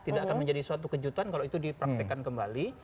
tidak akan menjadi suatu kejutan kalau itu dipraktekkan kembali